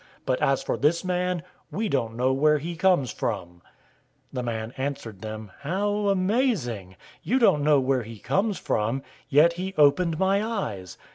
But as for this man, we don't know where he comes from." 009:030 The man answered them, "How amazing! You don't know where he comes from, yet he opened my eyes.